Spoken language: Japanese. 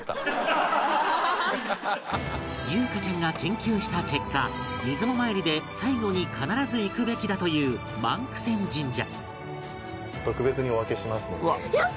裕加ちゃんが研究した結果出雲参りで最後に必ず行くべきだという万九千神社